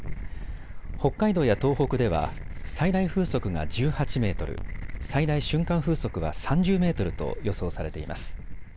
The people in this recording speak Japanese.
北海道や東北では最大風速が１８メートル、最大瞬間風速は３０メートルと予想されています。